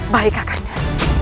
baik kak kanda